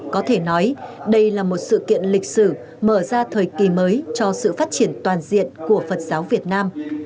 có thể nói đây là một sự kiện lịch sử mở ra thời kỳ mới cho sự phát triển toàn diện của phật giáo việt nam